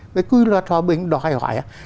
cái quy luật hòa bình đòi hỏi